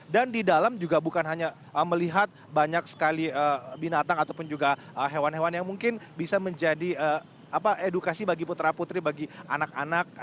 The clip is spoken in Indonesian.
dan di dalam juga bukan hanya melihat banyak sekali binatang ataupun juga hewan hewan yang mungkin bisa menjadi edukasi bagi putra putri bagi anak anak